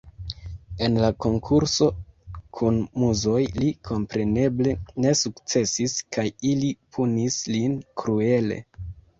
En la konkurso kun Muzoj li kompreneble ne sukcesis kaj ili punis lin kruele.